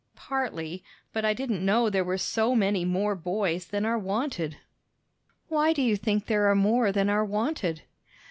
"Partly; but I didn't know there were so many more boys than are wanted." "Why do you think there are more than are wanted?"